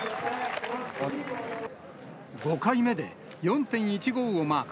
５回目で４．１５をマーク。